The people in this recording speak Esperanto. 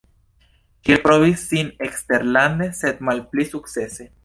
Ŝi elprovis sin eksterlande, sed malpli sukcese.